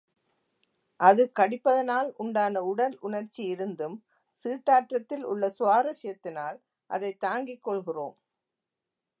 அது கடிப்பதனால் உண்டான உடல் உணர்ச்சி இருந்தும், சீட்டாட்டத்தில் உள்ள சுவாரசியத்தினால், அதைத் தாங்கிக் கொள்கிறோம்.